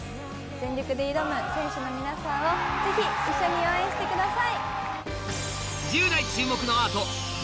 全力で挑む選手の皆さんをぜひ一緒に応援してください！